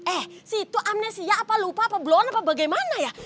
eh si itu amnesia apa lupa apa blon apa bagaimana ya